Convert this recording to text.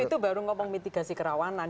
itu baru ngomong mitigasi kerawanan